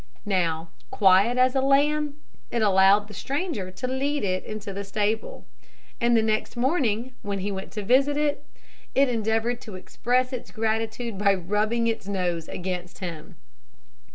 Now quiet as a lamb, it allowed the stranger to lead it into the stable; and the next morning, when he went to visit it, it endeavoured to express its gratitude by rubbing its nose against him.